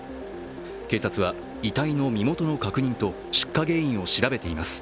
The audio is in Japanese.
警察は遺体の身元の確認と出火原因を調べています。